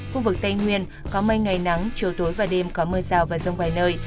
khu vực tây nguyên có mây ngày nắng chiều tối và đêm có mưa rào và rông vài nơi